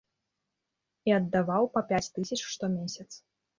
І аддаваў па пяць тысяч штомесяц.